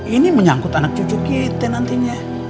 ini menyangkut anak cucu kita nantinya